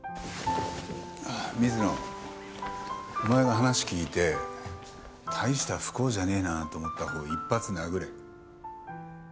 水野お前が話聞いて大した不幸じゃねえなと思ったほうを１発殴れ。